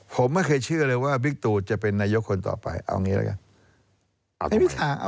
ผมไม่เคยเชื่อเลยว่าบิกตุจะเป็นนายกคลต่อไปเอาอย่างนี้ล่ะ